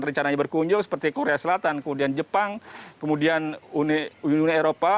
rencananya berkunjung seperti korea selatan kemudian jepang kemudian uni eropa